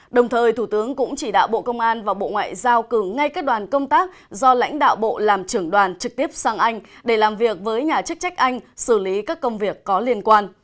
đồng thời thủ tướng cũng chỉ đạo bộ công an và bộ ngoại giao cử ngay các đoàn công tác do lãnh đạo bộ làm trưởng đoàn trực tiếp sang anh để làm việc với nhà chức trách anh xử lý các công việc có liên quan